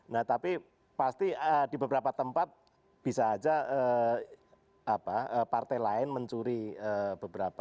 nah tapi pasti di beberapa tempat bisa saja partai lain mencuri beberapa